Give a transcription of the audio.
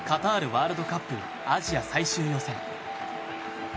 ワールドカップアジア最終予選。